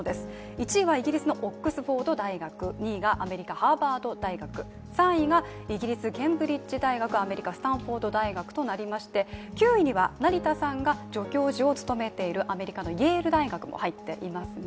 １位はイギリスのオックスフォード大学２位がアメリカ・ハーバード大学３位がイギリス・ケンブリッジ大学、アメリカ・スタンフォード大学となりまして９位には成田さんが助教授を務めている、アメリカのイェール大学も入っています。